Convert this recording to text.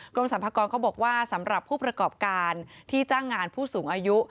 กรมสรรพากรเขาบอกว่าสำหรับผู้ประกอบการที่จ้างงานผู้สูงอายุ